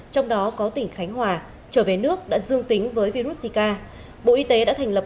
trong đó có tỉnh khánh hòa trở về nước đã dương tính với virus zika bộ y tế đã thành lập